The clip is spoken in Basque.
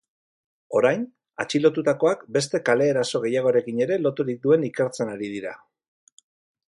Orain, atxilotutakoak beste kale-eraso gehiagorekin ere loturik duen ikertzen ari dira.